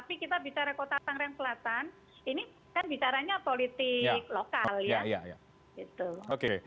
ini kan bicaranya politik